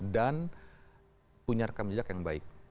dan punya rekan menjag yang baik